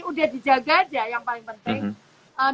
sudah dijaga saja yang paling penting